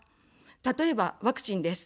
例えば、ワクチンです。